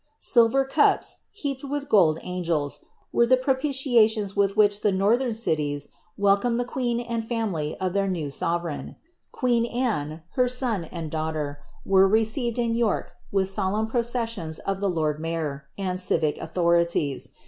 ANNB OF DBNKARK. Silver cups, heaped witn g^ld angels, were the propitiations with which the northern cities welcomed the queen and family of their new sovereign. Qaeen Anne, her son, and daughter, were received in York with solemn processions of the lord Mayor, and civic authorities.